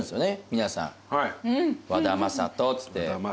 皆さん「和田正人」っつって。